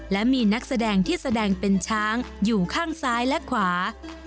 และมีนักแสดงที่แสดงเป็นช้างอยู่ข้างซ้ายและขวา